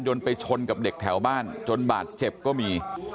ไปชนกับเด็กแถวบ้านจนบาดเจ็บก็มี